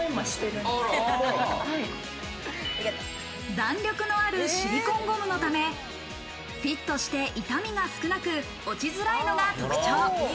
弾力のあるシリコンゴムのため、フィットして痛みが少なく落ちづらいのが特徴。